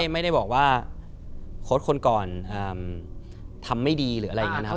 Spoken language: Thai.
ไม่ได้บอกว่าโค้ดคนก่อนทำไม่ดีหรืออะไรอย่างนี้นะครับ